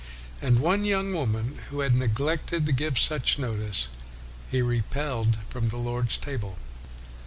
And one young woman who had neglected to give such notice he repelled from the Lord's Table.